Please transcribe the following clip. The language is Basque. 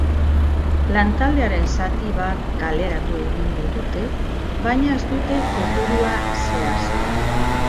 Lantaldearen zati bat kaleratu egingo dute, baina ez dute kopurua zehaztu.